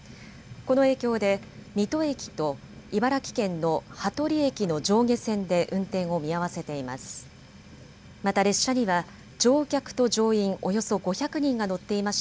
この影響で水戸駅と茨城県の羽鳥駅の上下線で運転を見合わせています。